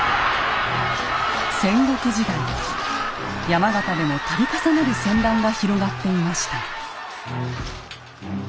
山形でも度重なる戦乱が広がっていました。